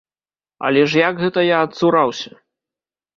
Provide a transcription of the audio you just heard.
Але ж як гэта я адцураўся?